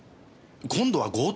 今度は強盗！？